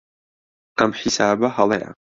ئەم حیسابە هەڵەیە.